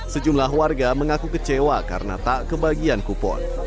sejumlah warga mengaku kecewa karena tak kebagian kupon